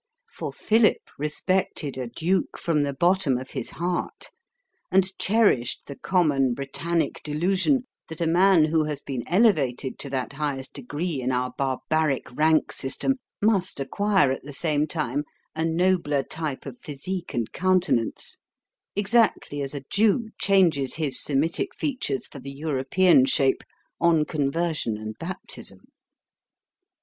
For Philip respected a duke from the bottom of his heart, and cherished the common Britannic delusion that a man who has been elevated to that highest degree in our barbaric rank system must acquire at the same time a nobler type of physique and countenance, exactly as a Jew changes his Semitic features for the European shape on conversion and baptism.